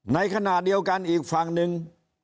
ในขณะเดียวกันอีกฝั่งหนึ่ง